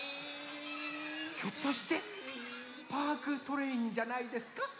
ひょっとしてパークトレインじゃないですか？